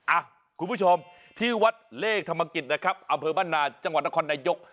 อ่ะคุณผู้ชมที่วัดเลขธรรมกิจนะครับอำเภอบ้านนาจังหวัดนครนายก